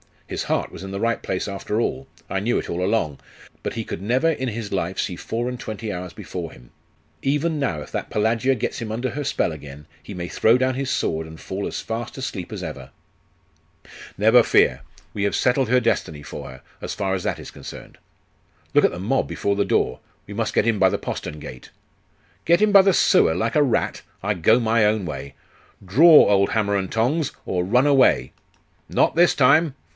His heart was in the right place after all. I knew it all along. But he could never in his life see four and twenty hours before him. Even now if that Pelagia gets him under her spell again, he may throw down his sword, and fall as fast asleep as ever.' 'Never fear; we have settled her destiny for her, as far as that is concerned. Look at the mob before the door! We must get in by the postern gate.' 'Get in by the sewer, like a rat! I go my own way. Draw, old hammer and tongs! or run away!' 'Not this time.